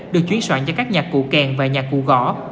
được chuyển soạn cho các nhạc cụ kèn và nhạc cụ gõ